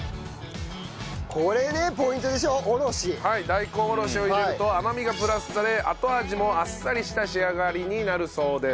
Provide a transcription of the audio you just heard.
大根おろしを入れると甘みがプラスされ後味もあっさりした仕上がりになるそうです。